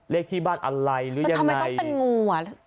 เรียกที่บ้านอะไรหรือยังไงมันทำไมต้องเป็นงูอะ